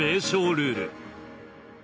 ルール。